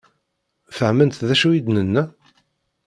Fehment d acu i d-nenna?